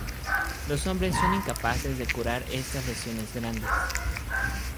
Los hombres son incapaces de curar estas lesiones grandes.